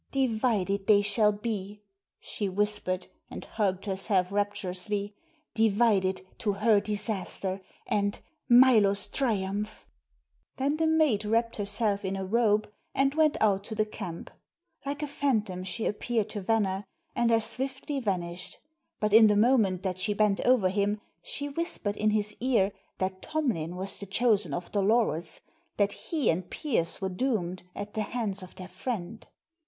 "Divided they shall be!" she whispered, and hugged herself rapturously. "Divided to her disaster and Milo's triumph!" Then the maid wrapped herself in a robe, and went out to the camp. Like a fantom she appeared to Venner, and as swiftly vanished; but in the moment that she bent over him she whispered in his ear that Tomlin was the chosen of Dolores; that he and Pearse were doomed at the hands of their friend.